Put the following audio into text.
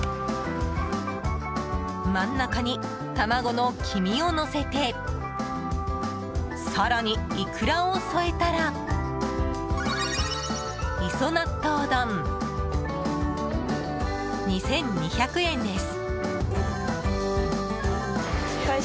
真ん中に卵の黄身をのせて更にイクラを添えたら磯納豆丼、２２００円です。